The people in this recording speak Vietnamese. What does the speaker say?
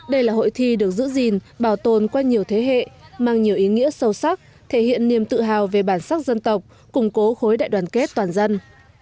đây là hội thi được giữ gìn bảo tồn qua nhiều thế hệ mang nhiều ý nghĩa sâu sắc thể hiện niềm tự hào về bản sắc dân tộc củng cố khối đại đoàn kết toàn dân